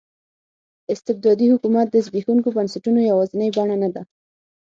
استبدادي حکومت د زبېښونکو بنسټونو یوازینۍ بڼه نه ده.